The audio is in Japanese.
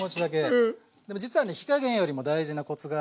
でも実はね火加減よりも大事なコツがあって。